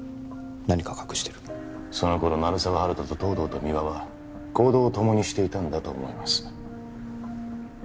何か隠してるその頃鳴沢温人と東堂と三輪は行動を共にしていたんだと思います